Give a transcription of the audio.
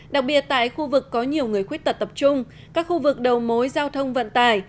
đặc biệt tại khu vực có nhiều người khuyết tật tập trung các khu vực đầu mối giao thông vận tải